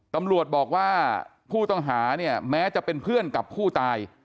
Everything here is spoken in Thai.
ตำรวจบอกว่าผู้ต้องหาเนี่ยแม้จะเป็นเพื่อนกับผู้ตาย